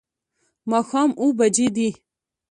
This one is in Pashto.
ماښام اووه بجې دي